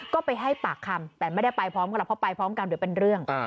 ก็ไปให้ปากคำแต่ไม่ได้ไปพร้อมกันหรอกเพราะไปพร้อมกันเดี๋ยวเป็นเรื่อง